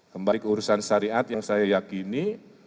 kembali ke urusan syariat yang saya yakini